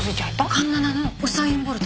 環七のウサイン・ボルト。